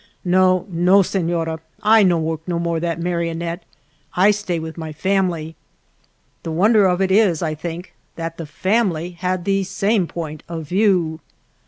No, no, senora, I no work no more that Marionette, I stay with my fam'ly." The wonder of it is, I think, that the family had the same point of view.